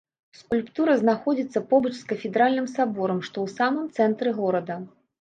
Скульптура знаходзіцца побач з кафедральным саборам, што ў самым цэнтры горада.